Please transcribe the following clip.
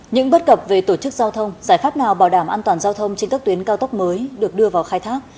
những bất cập về tổ chức giao thông giải pháp nào bảo đảm an toàn giao thông trên các tuyến cao tốc mới được đưa vào khai thác